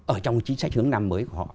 ở trong chính sách hướng nam mới của họ